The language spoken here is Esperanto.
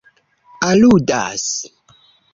aludas